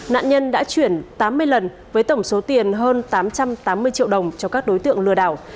nạn nhân đã chuyển tám mươi lần với tổng số tiền hơn tám trăm tám mươi triệu đồng cho các đối tượng lừa đảo